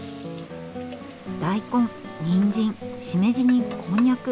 大根にんじんしめじにこんにゃく。